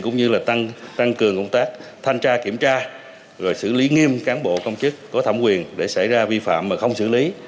cũng như là tăng cường công tác thanh tra kiểm tra rồi xử lý nghiêm cán bộ công chức có thẩm quyền để xảy ra vi phạm mà không xử lý